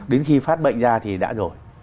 đến khi phát bệnh ra thì đã rồi